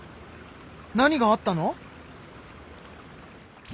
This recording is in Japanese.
何があったの？